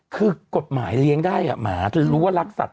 คือกฎหมายเลี้ยงได้หมาจนรู้ว่ารักสัตว